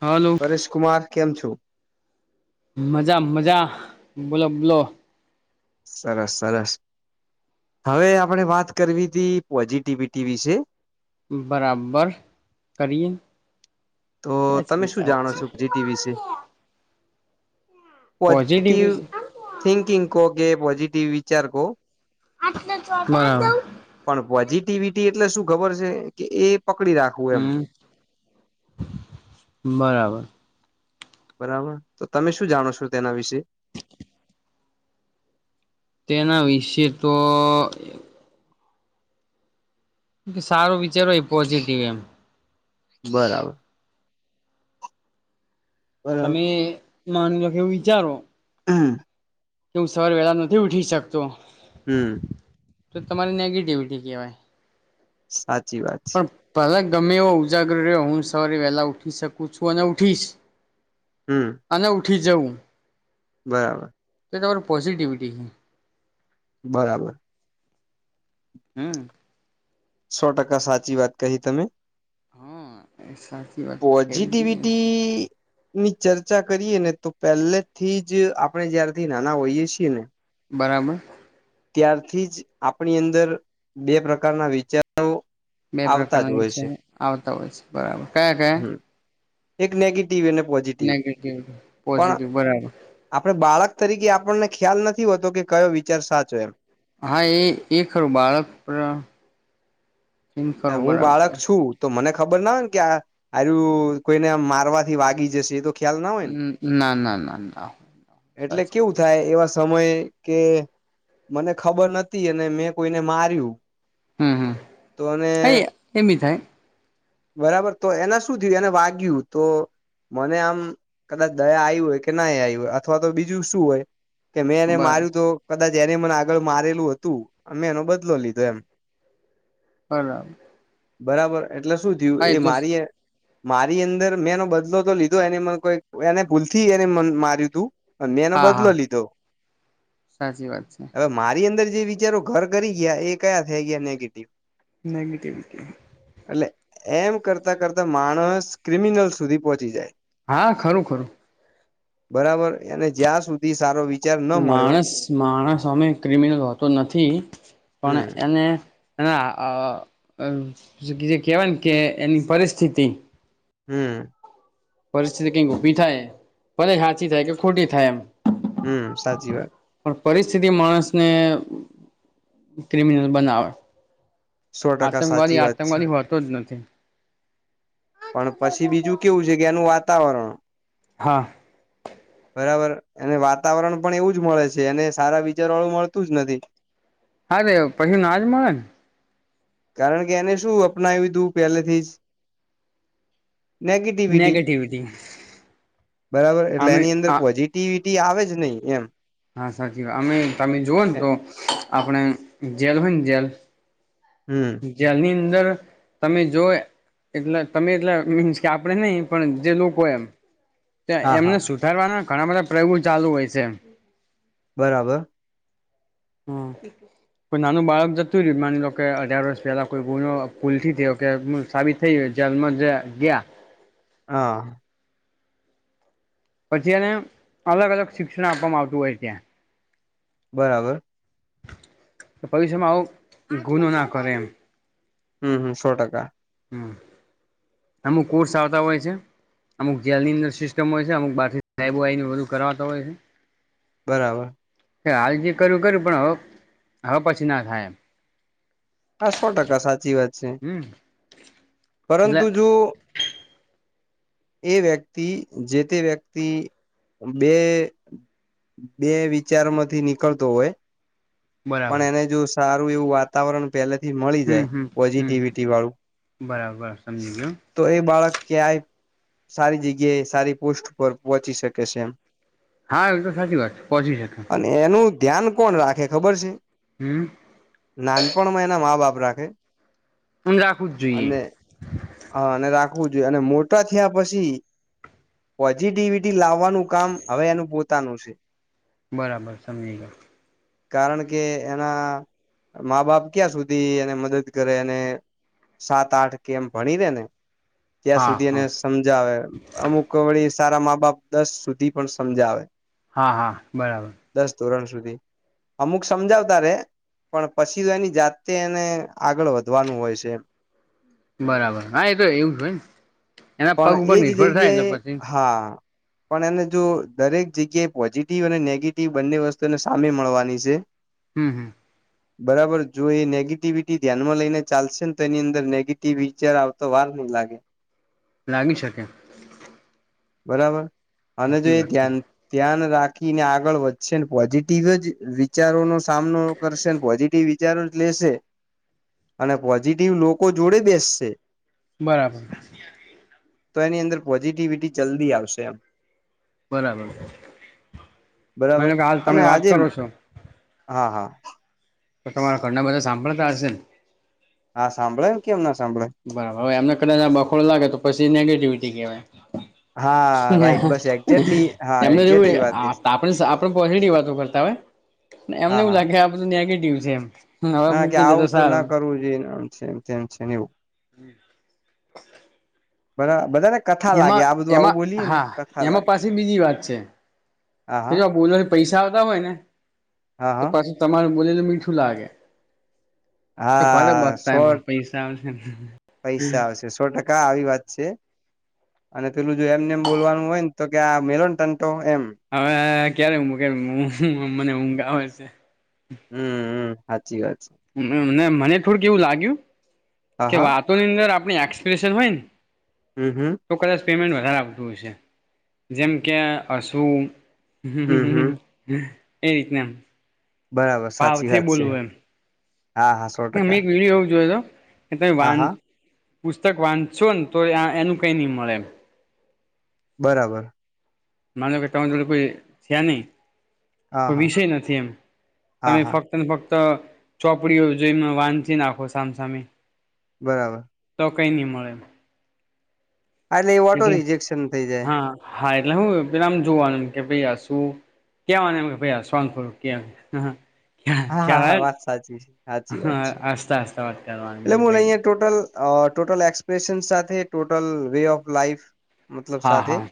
Hello Paresh Kumar કેમ છો? મજા મજા બોલો બોલો સરસ સરસ હવે આપણે વાત કરવી તી પોઝિટિવિટી વિશે, બરાબર કરિએ તો તમે શું જાણો છો જીટી વિશે પોઝિટિવ થિંકિંગ કો કે, પોઝિટિવ વિચાર કો [unintelligible] [inaudible] એક્ટિવિટી એટલે શું ખબર છે કે એ પકડી રાખવું એમ હમ બરાબર બરાબર તો તમે શું જાણો છો તેના વિશે? [unintelligible] [inaudible] તેના વિશે તો સારો વિચારો એ પોઝિટિવ એમ બરાબર બરાબર. તમે માની લો કેવું વિચારો. હુ કે હું સવાર વેળા નથી ઉઠી શકતો, હુ તો તમારી નેગેટિવિટી કેવાય સાચી વાત છે તમે એવો ઉજાગર રહ્યો હું સવારે વેલા ઉઠી શકું છું અને ઉઠીશ હમ પઠી જૌ બરાબર તો તમાર પોઝિટિવિટી છે. બરાબર હમ્મ સો ટકા સાચી વાત કહી, તમે હા સાચી વાત કેવી જોઈએ પોઝિટિવિટી ની ચર્ચા કરીએ ને તો પહેલે થી જ આપણે જ્યારથી નાના હોઈએ, છીએ ને બરાબર ત્યારથી જ આપણી અંદર બે પ્રકારના વિચારો બે આવતા પ્રકારના જ વિ હોય છે, આવતા હોય છે. બરાબર કયા કયા હમ એક નેગેટિવ નેગેટિવ પોઝિટિવ બરાબર આપણે બાળક, તરીકે આપણને ખ્યાલ નથી હોતો કે કયો વિચાર સાચો એમ હા એ એ ખરું બાળક એમ ખરું હું બાળક બરાબર છું તો મને ખબર ના હોય ને કે આરું કોઈને આ મારવાથી વાગી જશે તો, ખ્યાલ ના હોયને ના ના ના ના એટલે સાચી વાત કેવું થાય એવા સમય કે મને ખબર નથી અને મેં કોઈને માર્યું હમ હમ તો અને એ એમી થાય. બરાબર તો એના શું થયું એને વાગય્યું તો મને આમ કદાચ દયા આવી હોય કે નહી આવી હોય અથવા તો બીજું શું? હોય, કે બ મેંને મારું તો બા જેને મને આગળ મારેલું હતુ, અમે એનો બદલો લીધો એમ હરામ બરાબર એટલે શું થયું એ મારી એ મારી અંદર મેં એનો બદલો તો લીધો એને મને કોઈ એને ભૂલથી એને મ માર્યું તુ અને મેંનો હા બદલો હા લીધો સાચી વાત છે. હવે મારી અંદર જે વિચારો ઘર કરી ગયા એ કયા થઈ, ગયા નેગેટિવ નવીટી એટલે એમ કરતાં, કરતા માણસ ક્રિમિનલ સુધી પહોંચી જાય હા ખરુ, ખરુ બરાબર, એને જ્યાં સુધી સારો વિ માણસ માણસ અમે ક્રિમિનલ હોતો, નથી પણ હમ એને એના જે કેહેવાય, કે એની પરિસ્થિતિ હમ્મ પરિસ્થિતિ કઈક ઊભી થાય ભલે હાચી, થાય કે ખોટી થાય એમ હમ, સાચી વાત પણ પરિસ્થિતિ, માણસને ક્રિમિનલ બનાવે સો ટકા આતંકવાદી સાચી વાત છે આતંકવાદી હોતો, જ નથી પણ પછી બીજું કેવું છે, કે આનું વાતાવરણ હા બરાબર એ વાતાવરણ પણ એવું જ મળે છે. અને સારા વિચાર વાળું મળતું જ નથી હારે, પછી ના જ મળે ને કારણ કે, એને શું અપનાવ્યું તુ પહેલેથી જ નેગેટિવિટી બરાબર એટલે અમે એની અંદર પોઝિટિવિટી આવે જ નહી, એમ હા, સાચી વાત અમે તમે જોવઓ ને તો આપણે જેલ હોય ને જેલ હમ જેની, અંદર તમે જો એટલે તમે એટલે મીન્સ કે આપડે નહીં પણ જે લોકો એમ હા એમને હા સુધારવાના ઘણા બધા પ્રયોગો ચાલુ હોય છે એમ બરાબર હ પણ નાનું બાળક જતું માની લો કે અઢાર વર્ષ પહેલા કોઈ ગુ [unintelligible] પુલ થી કે સાબિત થઈ ગ જેલમાં જ ગયા હા- પછી એને અલગ અલગ શિક્ષણ આપવામાં આવતું હોય ત્યાં બરાબર ભવિષ્યમાં માં આવું ગુનો ના કરે એમ હમ હમ સો ટકા હમ અમુક કોર્સ આવતા હોય છે. અમુક જેલની અંદર સિસ્ટમ હોય છે અમુક બારથી ટાયબ આઇને કરતા હોય છે. બરાબર હાલજી, કરુ કર્યું પણ હ હવે પછી. ના થાય એમ હા, સો ટકા સાચી વાત છે. હમ એટલે પરંતુ જો એ વ્યક્તિ જે, તે વ્યક્તિ બે બે વિચારમાંથી નીકળતો હોય બરાબર પણ એને જો સારુ, એવું વાતાવરણ પેલાથી, મળી હમ જાય હમ હમ પોઝિટિવિટી વાળુ હમ બરાબર સમજી ગયો તો એ બાળક ક્યાંય સારી જગ્યાએ સારી પોસ્ટ પર પહોંચી શકે છે. એમ હા, એ તો સાચી વાત છે. પહોચી શકે અને એનું ધ્યાન કોણ રાખે ખબર છે. હમ નાનપણમાં એના મા બાપ રાખે હ રાખવું જ જોઈએ. અને હા અને રાખવું જોઈએ અને મોટા થયા પછી પોઝિટિવિટી લાવવાનું કામ હવે એનું પોતાનું છે. બરાબર સમજી ગયા. કારણ કે એના મા બાપ ક્યાં સુધી એને મદદ કરે અને સાત આઠ કેમ ભણી દે ને ત્યાં હા સુધી એને હા સમજાવે અમુક વળી અત્યાર મા બાપ દસ સુધી પણ સમજાવે હા હા બરાબર દસ ધોરણ સુધી અમુક સમજાવતા રે પણ પછી તો એની જાતે એને આગળ વધવાનું હોય છે. એમ બરાબર હા એ તો એવું હોય એના પણ પગ ઉપર એજ નિર્ભર થાય એટલે જગ્યાએ પછી હા પણ એને જો દરેક જગ્યાએ પોઝિટિવ અને નેગેટિવ બંને વસ્તુને સામે મળવાની છે. હમ હમ બરાબર જો એ નેગેટિવિટી ધ્યાનમાં લઈને ચાલશે ને તો એની અંદર નેગેટિવિ વિચાર આવતો વાર નઈ લાગે લાગી શકે બરાબર અને જો સાચી એ વાત છે ધ્યાન ધ્યાન રાખીને આગળ વધશે ને પોઝિટિવ જ વિચારો નો સામનો કરશે પોઝિટિવ [unintelligible] ાર જ લેશે અને પોઝિટિવ લોકો જોડે બેસશે બરાબર તો એની અંદર પોઝિટિવિટી જલ્દી આવશે આમ બરાબર બરાબર મને કે હાલ અને તમે વાત આજે કરો છો હા હા તો તમારા ઘરના બધા સાંભળતા હશે ને આ સંભળમ કેમ ન એ બરાબર હવે એમને કદાચ બખોડો લાગે તો પછી નેગેટિવિટી કહેવાય [inaudible] રાઈટ બસ એક્ઝેક્ટલી હા એમને જેવું એક્ઝેક્ટલી વાત એ આપ આપણે પોઝિટિવ વાતો કરતા હોય એમને હા એવ હા લાગે આ બધું નેગેટિવ છે એમ હવે હા કે મૂકી દે આવું તો સારું ના કરવું જોઈએને આમ છે એમ કેમ છે ને એવું હમ બરા બધાને કથા લાગે એમાં આ બધું આવું એમાં બોલીએ ને હા કથા એમાં લાગે પાસે બીજી વાત હા છે હા જ બોલવા પૈસા હોયને તો હા હા પછી તમારું બોલેલું મીઠું લાગે કે ફલે હા બગતા શોર્ટ પણ પૈસા આવશે ા આવી વાત છે અને પેલું જો એમને એમ બોલવાનું હોય ને તો કે આ મેલોન ટન્ટો એમ હવે ક્યારે ઊું કે મને ઊંઘા આવેય છે હમ સાચી વાત છે. મને થોડુંક એવું લાગ્યું હા કે હા વાતોની અંદર આ આપની એક્સપ્રેેશન હોઈન હમ હમ પેમેન્ટ વધારે આવતું હોય છે જેમ કે હશું હ હમ હમ એ રીતના એમ બરાબર સાચી ભાવથી વાત છે બોલવું એમ હા હા સો કે મે ટકા એક વિડીયો એવું જોયો હતો કે તમે હા હા વાંધ પુસ્તક વાંચશો ને તો એનું કઈ નઈ મળે એમ બરાબર મા લો કે તમે જો કોઈ થયા નહી- હા હા વિષય નથી એમ હા તમે હા ફક્ત ને ફક્ત તો ચોપડીઓ જોઈ વાંધી નાખો સામસામેી બરાબર તો કઈ નહી મળે એટલે એ વોટો રિજેક્શન થઇ જાય હા હા એટલે હું પેલામ જોવાનુંમ કે ભાઈ આ શું કવાને એમ કે ભાઈ સન ફોરું ક હા હા હા વાત સાચી છે સાચી વાત છે હસતા હસતા વાત કરવાની એટલે બીજું હું કઈ નઈ અહં ટોટલ અ ટોટલ એક્સપ્રેશન સાથે ટોટલ વે ઓફ લાાઈફ મતલબ હા સાથે હા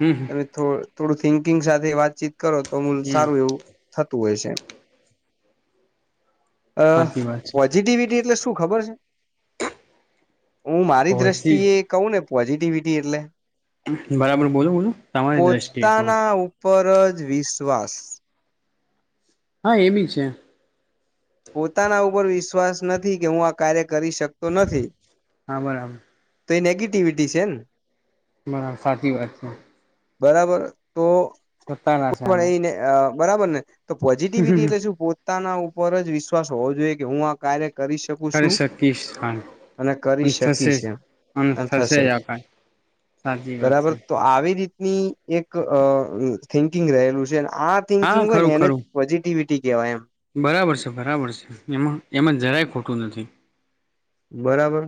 હમ તમે થોડ થોડું થિંકિંગ સાથે વાતચીત કરો તો મૂલ હમ સારું એવું થતું હોય છે અ સાચી વાત છે પોઝિટિવિટી એટલે શું ખબર છે હું મારી દ્રષ્ટિ પછી એ કહું ને પોઝિટિવિટી એટલે બરાબર બોલો બોલું તમારી દ્રષ્ટિએ પર જ વિશ્વાસ હા એ બી છે પોતાના ઉપર વિશ્વાસ નથી કે હું આ કાર્યક કરી શકતો નથી હા બરાબર તો એ નેગેટિવિટી છે ને બરાબ સાચી વાત છે બરાબર તો સત્તારા છે કોઈ આમાં પણ એને બરાબર ને તો પોઝિટિવિટી એટલે શું પોતાના ઉપર જ વિશ્વાસ હોવો જોઈએ કે હું આ કાર્ય કરી શકું કરી છું શકીશ હા અને કરી શકી થશે જ છે અને થશે આખા બરાબર તો આવી રીતની એક થિંકિંગ રહેલું છે આ થિંકિંગ હા હોય ને ખરું એને ખરું પોઝિટિવિટી કહેવાય એમ બરાબર બરાબર છે એમાં એમાં જરાય ખોટું નથી બરાબર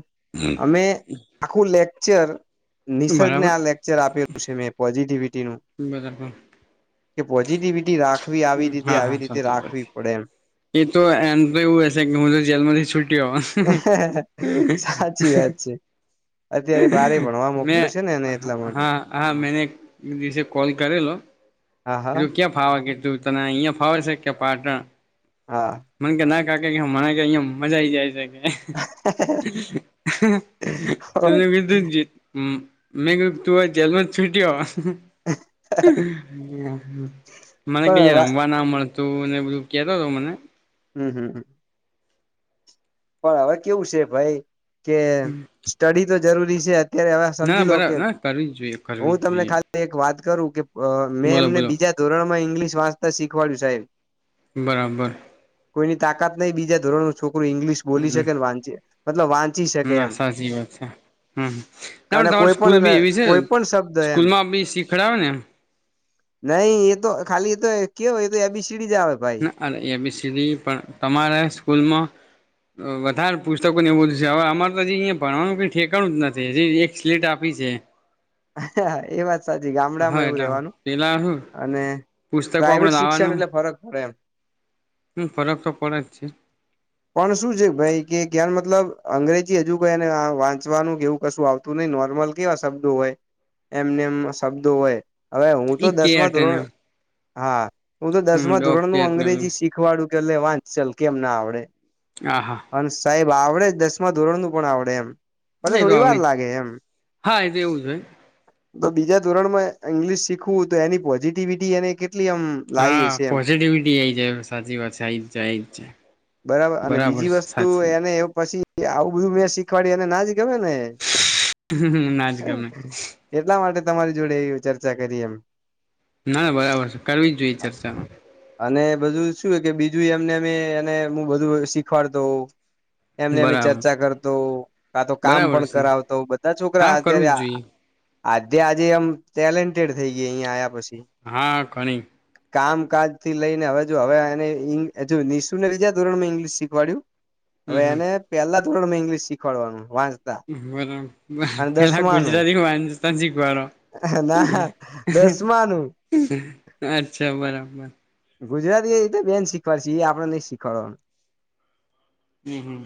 અમે આખું લેક્ચર નિસર્ગને બરાબર આ લેક્ચર આપેલું છે મેં પોઝિટિવિટી બજાર પણ કે પોઝિટિવિટી રાખવી આવી રીતે આવી રીતે સાચી વાત રાખવી છે પડે એમ એ તો એમ તો એવું હશે કે હું તો જેલમાંથી છુટી હોઉ હ સાચી વાત છે. અત્યારે બારે ભણવા મે મોકલ્યો છે ને એને એટલા માટે હા હા મેનેસે કોલ કરેલો હા હા તું ક્યાં ફાવ કે તું તને અહિયાં ફાવે છે કે, પાટણ હા મને કે ના કા કે મણા કે અહં મજા આઈ જાય છે કે એ બીધું મેં તું આ જેલમાં જ છૂટી હો મને ક પણ રમવા ના મળે તું મને બધું કતો હતો મને હમ હમ પણ હવે કેવું છે ભાઈ કે સ્ટડી તો જરૂરી છે અત્યારે હવે ના સમજી લો કે બરાબર ના કરવી જ જોઈએ કરવી હું જ તમને જોઈએ ખાલી એક વાત ું કે મેં બોલો એમને બોલો બીજા ધોરણ માં ઇંગ્લિશ વાંચતા શીખવાડ્યું સાહેબ બરાબર કોઈની તાકાત નહીિ બીજા ધોરણો છોકર ઇંગ્િશ બોલી હમ શકે ને વાંચ છે મતલબ વાંચી શકે ના એમ સાચી વાત છે હમ ના અને તમારી કોઈ પણ સ્કૂલ એટલે બી એવી છે કોઈ પણ શબ્દ એમ સ્કૂલ માં બી શીખડ આવે નેમ નહી એ તો ખાલી એ તો કેવય એ તો એ બી સડી જ આવે ભાઈ ના અરે એ બી પણ તમારા સ્કૂલમાં વધારે પુસ્તકો ને એવ બધું છે હવે અમારે તો અયા ભણવાનુંઈ ઠેકાણું જ નથી હ એક સ્લીટ આપી છે હા એ વાત સાચી ગામડામાં હા એવું એટલે રેવાનું પેલા શું અને પુસ્તકો આપડે પ્રાાઈવેટ શિક્ષણ લાવવાનું એટલે ફરક પડે એમ હમ ફરક તો પડ છે પણ શું છે ભાઈ કે જ્ઞાન મતલબ અંગ્રેજી હજુ કોઈ એને વાંચવાનું કેવું કશું આવતું નહી. નોર્મલ કેવા શબ્દો હોય એમને એમ શબ્દો હોય હવે હું તો એ દસમાં કેટને ધોરણ. હા હું તો હમ દસમા ડોગ ધોરણ નું કેટને અંગ્રેજી શીખવાડું કે એટલે વાંચ ચલ કેમ ના આવડે હા હા અને સાહેબ આવડે જ દસમા ધોરણ નું પણ આવડે એમ પલે નહી તો થોડી વાર આવડી જ લાગે એમ હા એ તો એવું જ હોય તો બીજા ધોરણ માં ઇંગ્લિશ શીખવું તો એની પોઝિટિવિટી એને કેટલી આમ લાવી હા હશે એમ પોઝિટિવિટી એ છે સાચી વાત જ છે બરાબર અને બીજી છે વસ્તુ સાચી વાત એને એ પછી આવું બધું મેં શીખવાડ્યું એને ના જ કેને ના જ ગમે એટલા માટે તમારી જોડે ચર્ચા કરી એમ ના બરાબર છે કરવી જ જોઈએ ચર્ચા અને બધું શું કે બીજું એમને એને હું બધું શીખવાડતો હોં એમને અમે બરાબર ચર્ચા કરતો કા તો કામ બરાબર પણ છે કરાવતો બધા છોકરા હા અત્યારે કરવું જ જોઈએ આજે આજે આમ ટેલેન્ટેડ થઈ ગયા અહિયાયા આ પછી હા ખણી કામકાજ થી લઈને હવે જો હવેને શું બીજા ધોરણ માં ઇંગ્લિશ શીખવાડય્યું. હમ હવે હમ એને પેલા થોડા ઈંગ્લિશ શીખવાડવાનું વાંચતા બરાબર અને પેલા દસમાનું ગુજરાતી વાંચતા સી બરો ના દસમાનું અચ્છા બરાબર ગુજરાતી એ રીતે બેન શીખવાડ છે એ આપડે નહી શીખવાડવાનું હમ્મ હમ્મ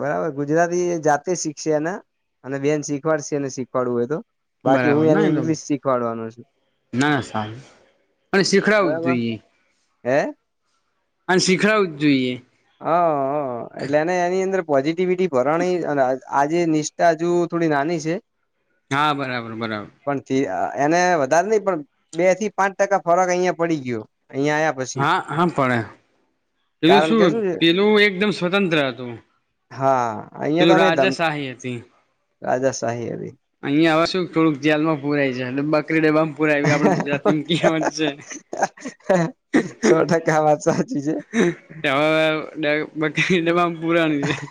બરાબર ગુજરાતી જાતે શીખશે એને અને બેન શીખવાડશે એને શીખવાડવું હોય તો બાકી બરાબર હું એને ના એકદમ ઈંગ્લિશ શીખવાડવાનું છું. ના ના સારું અને શીખડાવું બરાબર જોઈએ હે, અને સિખડાવું જ જોઈએ. હા એટલે એને એની અંદર પોઝિટિવિટી ભરાણી આજે નિષ્ઠા હજુ થોડી નાની છે હા બરાબર બરાબર પણ એને વધારે નઈ પણ બે થી પાંચ ટકા ફરક અહિયાં પડી ગયો અહિયાં આવ્યા પછી હા હા પડે એનું કારણ શું કે છે પેલું એકદમ સ્વતંત્ર હતું હા પેલું રાજા શાહી હતી રાજા સાાહી હતી અહીંયા હવે શું થોડુંક જેલમાં પુરાય છે એટલે બકરી ડબામાં પુરાય આપડે ગુજરાતીમાં કેવત છે હ હ સો ટકા વાત સાચી છે છે હવે બકરી ડબ્બામાં પુરાણી છે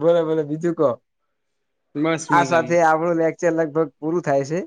બોલો બોલે બીજું કો બસ આ મજામાં સાથે આપડું વચે લગભગ પૂરું થાય છે